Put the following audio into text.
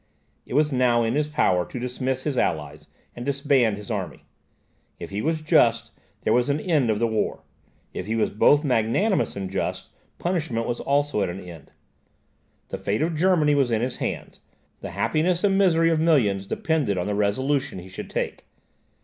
It was now in his power to dismiss his allies, and disband his army. If he was just, there was an end of the war if he was both magnanimous and just, punishment was also at an end. The fate of Germany was in his hands; the happiness and misery of millions depended on the resolution he should take.